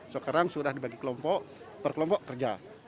sekarang sudah dibagi kelompok perkelompok kerja